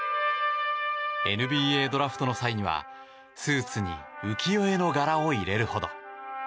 ＮＢＡドラフトの際にはスーツに浮世絵の柄を入れるほど。